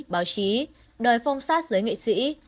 báo chí đòi phong sát giới nghệ sĩ